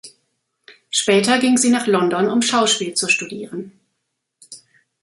Später ging sie nach London um Schauspiel zu studieren.